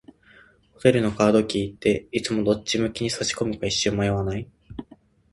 ホテルのカードキーって、いつもどっち向きに差し込むか一瞬迷わない？